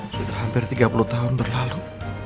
sudah hampir tiga puluh tahun berlalu